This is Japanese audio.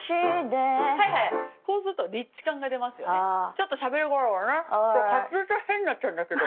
ちょっとしゃべり声がね滑舌が変になっちゃうんだけど。